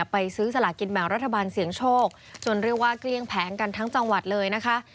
ไปซื้อสลากินแบ่งรัฐบาลเสียงโชคจนเรียกว่าเกลี้ยงแผงกันทั้งจังหวัดเลยนะคะ